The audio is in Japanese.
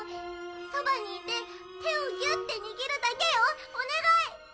そばにいて、手をぎゅって握るだけよ、お願い！